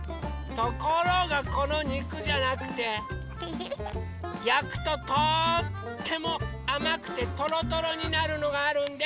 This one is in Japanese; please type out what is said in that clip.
ところがこのにくじゃなくてやくととってもあまくてトロトロになるのがあるんです！